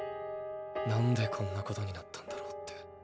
何でこんなことになったんだろうって。